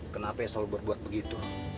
kenapa yang selalu berbuat begitu